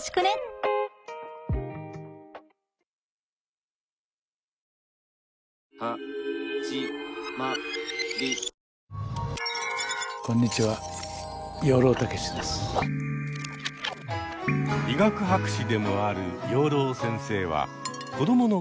医学博士でもある養老先生は子どもの頃から昆虫が大好き！